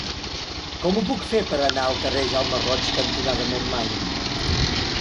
Com ho puc fer per anar al carrer Jaume Roig cantonada Montmany?